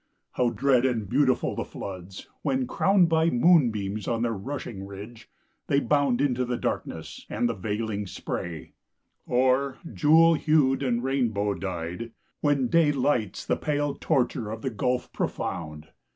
How dread and beautiful the floods, when, crowned By moonbeams on their rushing ridge, they bound Into the darkness and the veiling spray; Or, jewel hued and rainbow dyed, when day Lights the pale torture of the gulf profound!